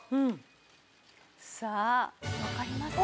さあわかりますか？